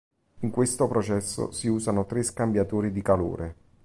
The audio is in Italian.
In questo processo si usano tre scambiatori di calore.